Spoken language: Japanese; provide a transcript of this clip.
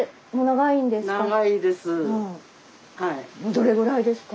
どれぐらいですか？